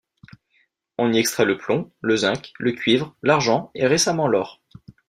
On y extrait le plomb, le zinc, le cuivre, l'argent et récemment l'or.